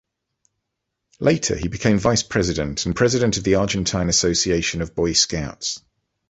Later, he became vice-president and president of the Argentine Association of Boy Scouts.